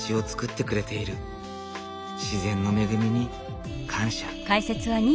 自然の恵みに感謝。